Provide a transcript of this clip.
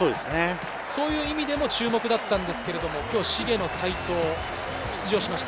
そういう意味でも注目だったんですけれど、茂野、齋藤、出場しました。